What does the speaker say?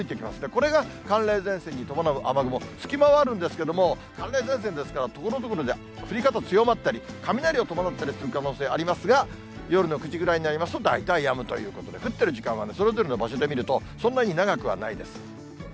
これが寒冷前線に伴う雨雲、隙間はあるんですけれども、寒冷前線ですから、ところどころで降り方強まったり、雷を伴ったりする可能性ありますが、夜の９時ぐらいになりますと、大体やむということで、降ってる時間はそれぞれの場所で見ると、そんなに長くはないです。